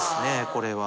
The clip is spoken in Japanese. これは。